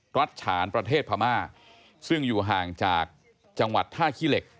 รัฐฉานประเทศพม่าซึ่งอยู่ห่างจากจังหวัดท่าขี้เหล็ก